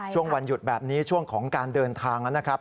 ช่วงวันหยุดแบบนี้ช่วงของการเดินทางนะครับ